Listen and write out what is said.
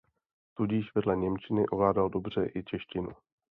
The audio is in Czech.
Tudíž vedle němčiny ovládal dobře i češtinu.